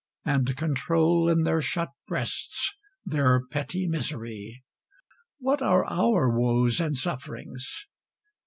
and control In their shut breasts their petty misery. What are our woes and sufferings?